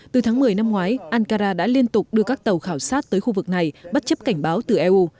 từ tháng một mươi năm ngoái ankara đã liên tục đưa các tàu khảo sát tới khu vực này bất chấp cảnh báo từ eu